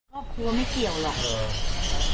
ครอบครัวไม่เกี่ยวหรอก